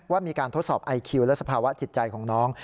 ว่ามีการทดสอบไอคิวและสภาวะจิตใจของน้อง